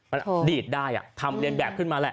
มันดีดได้ทำเรียนแบบขึ้นมาแหละ